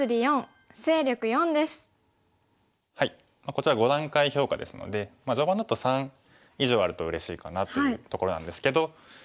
こちら５段階評価ですので序盤だと３以上あるとうれしいかなというところなんですけど。